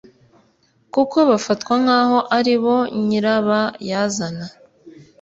kuko bafatwa nk’aho ari bo nyirabayazana